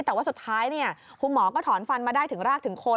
แต่ว่าสุดท้ายคุณหมอก็ถอนฟันมาได้ถึงรากถึงคน